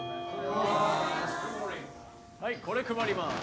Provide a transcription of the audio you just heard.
はいこれ配ります。